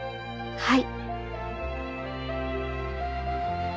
はい。